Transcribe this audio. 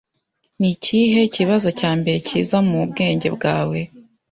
Ni ikihe kibazo cya mbere kiza mu bwenge bwawe?